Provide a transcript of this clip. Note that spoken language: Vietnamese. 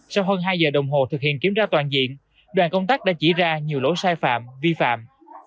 sau hơn hai giờ đồng hồ thực hiện kiểm tra toàn diện đoàn công tác đã chỉ ra nhiều lỗi sai phạm vi phạm